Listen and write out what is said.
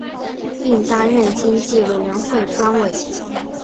并担任经济委员会专委。